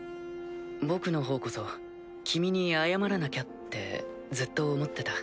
僕の方こそ君に謝らなきゃってずっと思ってた。